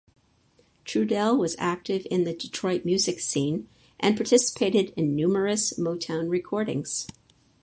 Trudell was active in the Detroit music scene and participated in numerous Motown recordings.